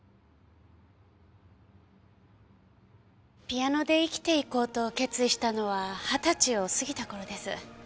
ピアノで生きていこうと決意したのは二十歳を過ぎた頃です。